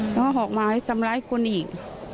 แล้วเขาออกมาทำร้ายคนอีก